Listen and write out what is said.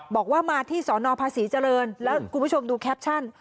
บอกว่ามาที่สนภาษีเจริญแล้วคุณผู้ชมดูแคปชั่น